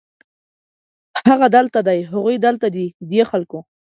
هغه دلته دی، هغوی دلته دي ، دې خلکو